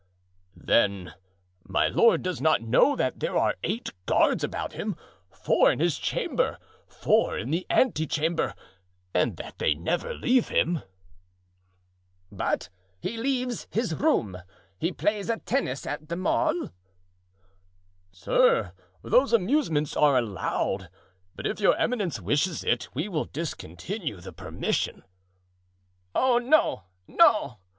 "Then my lord does not know that there are eight guards about him, four in his chamber, four in the antechamber, and that they never leave him." "But he leaves his room, he plays at tennis at the Mall?" "Sir, those amusements are allowed; but if your eminence wishes it, we will discontinue the permission." "No, no!"